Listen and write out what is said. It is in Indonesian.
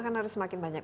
kan harus semakin banyak